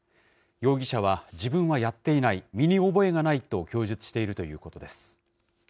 容疑者は自分はやっていない、身に覚えがないと供述しているということです。